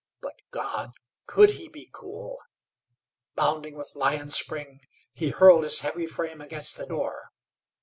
But God! Could he be cool? Bounding with lion spring he hurled his heavy frame against the door.